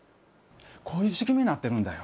こういう仕組みになっているんだよ。